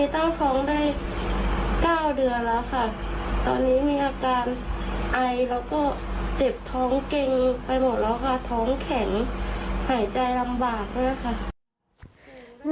เตียงไปหมดแล้วค่ะท้องเข็นหายใจลำบากด้วยค่ะ